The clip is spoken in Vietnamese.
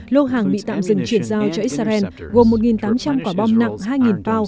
lô hàng bị tạm dừng chuyển giao cho israel gồm một tám trăm linh quả bom nặng hai phao